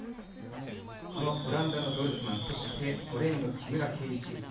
オランダのドルスマンそして、５レーンの木村敬一。